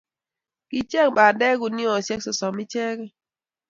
Kinyei bandek kuniaisiek somok ichegei